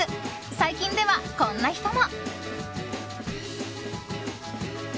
最近では、こんな人も。